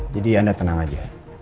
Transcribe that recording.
jadi anda tenang aja